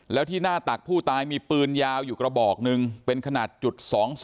แล้วที่หน้าตักผู้ตายมีปืนยาวอยู่กระบอกหนึ่งเป็นขนาดจุด๒๒